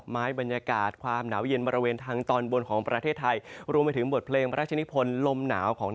เหล่าสะพุนร้องรื่นร้อง